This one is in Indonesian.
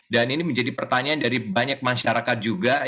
dan ini menjadi pertanyaan dari banyak masyarakat juga